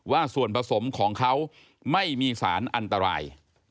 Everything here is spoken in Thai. ว่าส่วนผสมของเขาไม่มีสารอันตราย